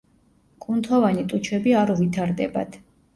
კუნთოვანი ტუჩები არ უვითარდებათ.